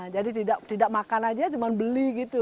jadi tidak makan aja cuma beli gitu